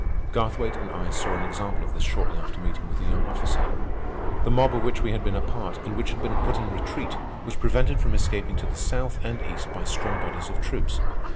Garthwaite and I saw an example of this shortly after meeting with the young officer. The mob of which we had been a part, and which had been put in retreat, was prevented from escaping to the south and east by strong bodies of troops.